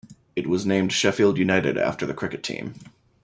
It was named Sheffield United after the cricket team.